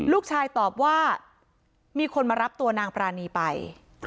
ลูกชายตอบว่ามีคนมารับตัวนางปรานีไป